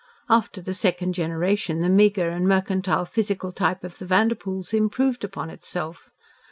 After the second generation the meagre and mercantile physical type of the Vanderpoels improved upon itself.